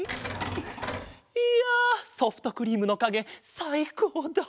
いやソフトクリームのかげさいこうだった！